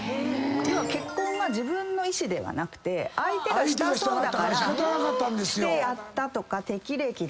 要は結婚が自分の意志ではなくて相手がしたそうだからしてやったとか適齢期。